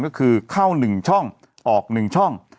ก็คือเข้า๑ช่องออก๑ช่อง